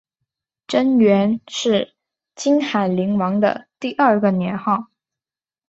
贞元是金海陵王的第二个年号。